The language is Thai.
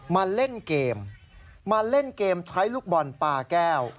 มาเล่นเกมมาเล่นเกมใช้ลูกบอลปลาแก้ว